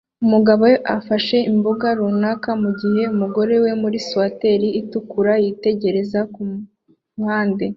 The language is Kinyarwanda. Umugabo ufashe imboga runaka mugihe umugore we muri swater itukura yitegereza kuruhande